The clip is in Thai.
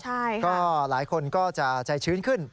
ใช่ค่ะก็หลายคนก็จะใจชื้นขึ้น